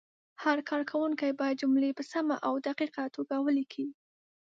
هر کارونکی باید جملې په سمه او دقیقه توګه ولیکي.